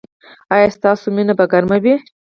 ایا ستاسو مینه به ګرمه وي؟